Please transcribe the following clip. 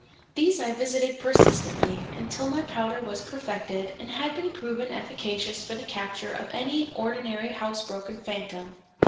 These I visited persistently, until my powder was perfected and had been proved efficacious for the capture of any ordinary house broken phantom.